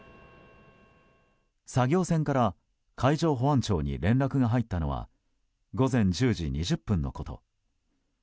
作業船から海上保安庁に連絡が入ったのは午前１０時２０分のこと。